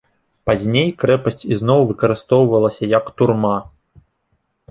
Пазней крэпасць ізноў выкарыстоўвалася як турма.